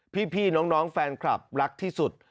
พี่น้องแฟนคลับรักที่สุด